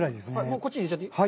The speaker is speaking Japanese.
こっちに入れちゃっていい？